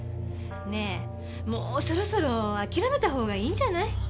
ねえもうそろそろ諦めた方がいいんじゃない？